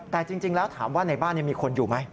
แต่จริงแล้วถามว่าในบ้านมีคนอยู่ไหม